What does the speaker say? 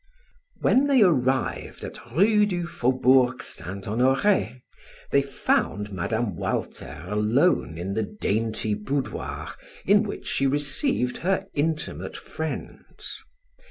When they arrived at Rue du Faubourg Saint Honore, they found Mme. Walter alone in the dainty boudoir in which she received her intimate friends.